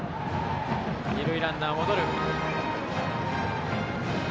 二塁ランナー、戻る。